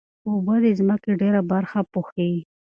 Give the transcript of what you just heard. اوبه د ځمکې ډېره برخه پوښي.